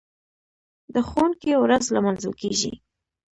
د ښوونکي ورځ لمانځل کیږي.